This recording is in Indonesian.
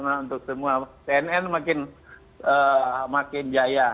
karena sekarang tnn semakin jaya